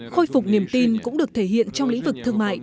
khôi phục niềm tin cũng được thể hiện trong lĩnh vực thương mại